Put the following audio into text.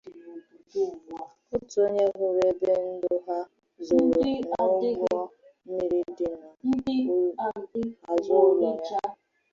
otu onye hụrụ ebe Dzhokhar zoro n’ụgbọ mmiri dị n’azụ ụlọ ya